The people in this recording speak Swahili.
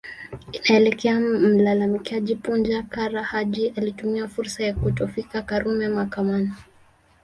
Inaelekea mlalamikaji Punja Kara Haji alitumia fursa ya kutofika Karume mahakamani